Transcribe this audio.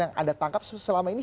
yang anda tangkap selama ini